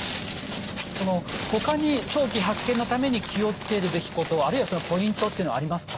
ほかに早期発見のために気を付けるべきことあるいはそのポイントっていうのはありますか？